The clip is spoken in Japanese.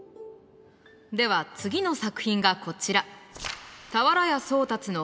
では次の作品がこちら。